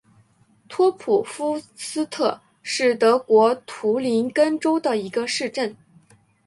托普夫斯特是德国图林根州的一个市镇。